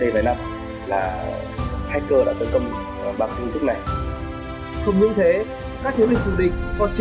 về lâu dài không loại trừ có nguy cơ tấn công mạng diện rộng